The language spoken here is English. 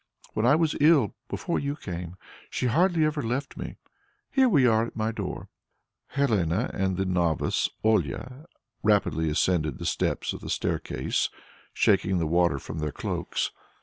When I was ill, before you came, she hardly ever left me. Here we are at my door." Helene and the novice Olia rapidly ascended the steps of the staircase, shaking the water from their cloaks.